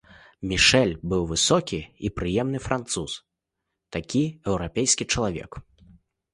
Мішэль быў высокі і прыемны француз, такі еўрапейскі чалавек.